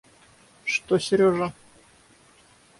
Что Сережа?